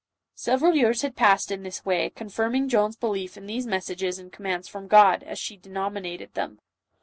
Several years had passed in this way, confirming Joan's belief in these messages and commands from God, as she denominated them.